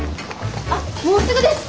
あっもうすぐです！